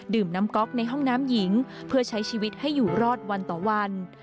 น้ำก๊อกในห้องน้ำหญิงเพื่อใช้ชีวิตให้อยู่รอดวันต่อวัน